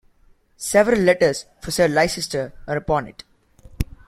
Several letters for Sir Leicester are upon it.